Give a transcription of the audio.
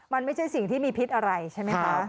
มันไม่ใช่สิ่งที่มีพิษอะไรใช่ไหมคะ